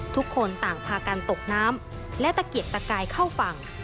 ทุกคนต่างพากันตกน้ำและตะเกียกตะกายเข้าฝั่ง